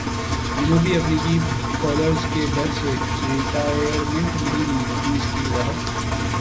جنوبی افریقی بالرز کے ڈر سے ریٹائرمنٹ نہیں لی حفیظ کی وضاحت